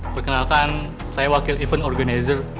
perkenalkan saya wakil event organizer